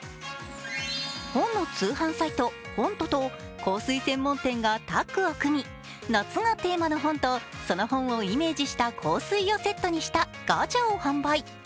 本の通販サイト、ｈｏｎｔｏと香水専門店がタッグを組み夏がテーマの本とその本をイメージした香水をセットにしたガチャを販売。